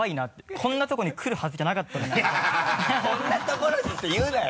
こんなところにって言うなよ！